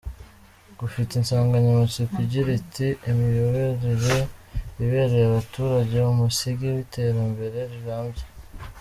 Gufite insanganyamatsiko igira iti "Imiyoborere ibereye abaturage, umusingi w’iterambere rirambye.